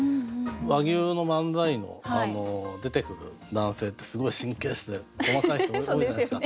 和牛の漫才の出てくる男性ってすごい神経質で細かい人多いじゃないですか。